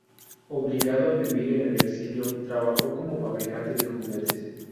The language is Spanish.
Obligado a vivir en el exilio, trabajó como fabricante de juguetes.